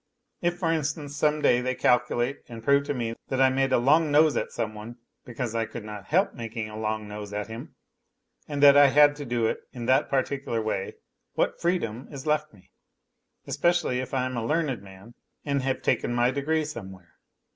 If, for instance, some day they calculate and prove to me that I made a long nose at some one because I could not help making a long nose at him and that I had to do it in that particular way, what freedom is left me, especially if I am a learned man and have taken my degree somewhere